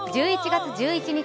１１月１１日